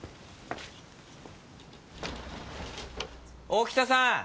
大北さん！